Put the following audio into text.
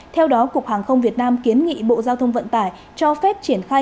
theo đó cục hàng không việt nam kiến nghị bộ giao thông vận tải cho phép triển khai